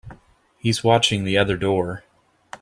He's watching the other door.